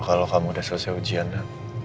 kalau kamu udah selesai ujiannya